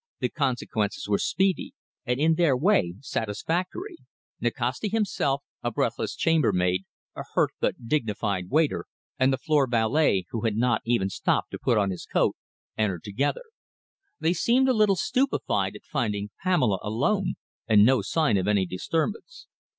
The consequences were speedy, and in their way satisfactory. Nikasti himself, a breathless chambermaid, a hurt but dignified waiter, and the floor valet, who had not even stopped to put on his coat, entered together. They seemed a little stupefied at finding Pamela alone and no sign of any disturbance.